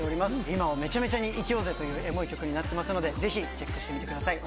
今をめちゃめちゃに生きようぜというエモい曲になってますのでぜひチェックしてみてください。